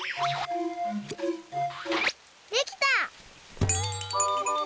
できた！